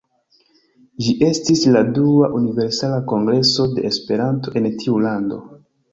Ĝi estis la dua Universala Kongreso de Esperanto en tiu lando.